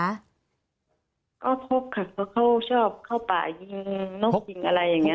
ก็พกค่ะเค้าชอบเข้าป่ายิงนกยิงอะไรอย่างเงี้ย